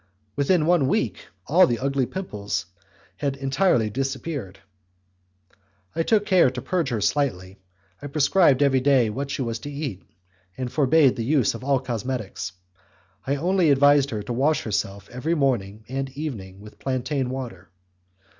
Within one week all the ugly pimples had entirely disappeared. I took care to purge her slightly; I prescribed every day what she was to eat, and forbade the use of all cosmetics; I only advised her to wash herself morning and evening with plantain water.